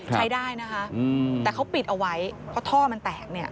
ใช้ได้นะคะแต่เขาปิดเอาไว้เพราะท่อมันแตกเนี่ย